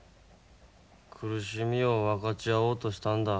苦しみを分かち合おうとしたんだ。